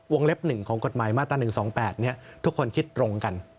เล็บ๑ของกฎหมายมาตรา๑๒๘ทุกคนคิดตรงกัน